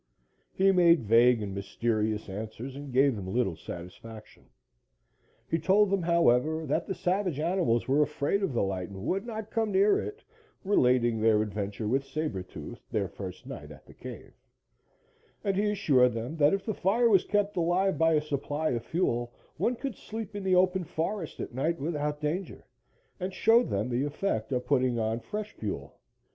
He made vague and mysterious answers and gave them little satisfaction. He told them, however, that the savage animals were afraid of the light and would not come near it, relating their adventure with Saber Tooth their first night at the cave, and he assured them that if the fire was kept alive by a supply of fuel, one could sleep in the open forest at night without danger, and showed them the effect of putting on fresh fuel.